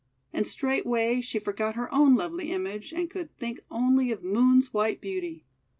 And straightway she forgot her own lovely image, and could think only of Moon's white beauty.